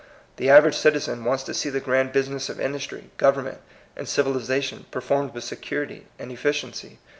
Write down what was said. The average citizen wants to see the grand busi ness of industr}', government, and civiliza tion performed with security and efficiency.